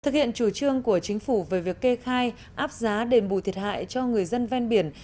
thực hiện chủ trương của chính phủ về việc kê khai áp giá đền bù thiệt hại cho người dân ven biển